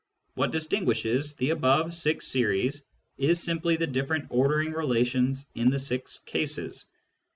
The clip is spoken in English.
What distinguishes the above six series is simply the different ordering relations in the six cases.